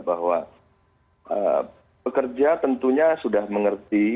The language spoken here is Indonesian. bahwa pekerja tentunya sudah mengerti